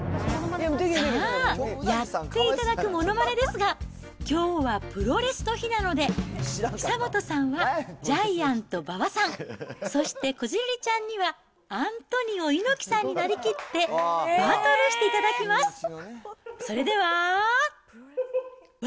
さあ、やっていただくものまねですが、きょうはプロレスの日なので、久本さんはジャイアント馬場さん、そして、こじるりちゃんには、アントニオ猪木さんになりきってバトルしていただきます。